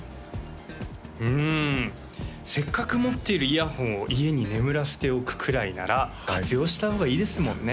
うんせっかく持っているイヤホンを家に眠らせておくくらいなら活用した方がいいですもんね